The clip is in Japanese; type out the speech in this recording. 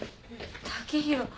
剛洋